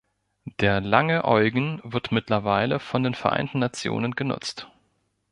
Der Lange Eugen wird mittlerweile von den Vereinten Nationen genutzt.